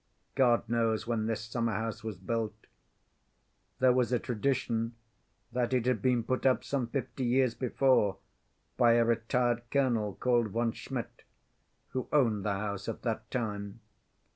God knows when this summer‐house was built. There was a tradition that it had been put up some fifty years before by a retired colonel called von Schmidt, who owned the house at that time.